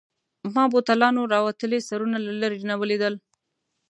ما بوتلانو راوتلي سرونه له لیري نه ولیدل.